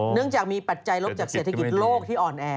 เนื่องจากมีปัจจัยลบจากเศรษฐกิจโลกที่อ่อนแอ